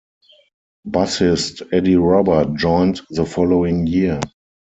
Bassist Eddie Robert joined the following year.